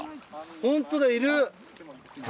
本当だいる。